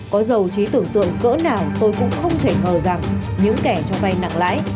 có dầu trí tưởng tượng cỡ nào tôi cũng không thể ngờ rằng những kẻ cho vay nặng lãi